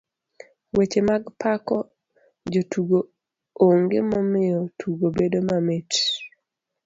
Weche mag pako jotugo onge mamiyo tugo bedo mamit.